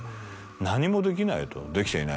何もできないできていない。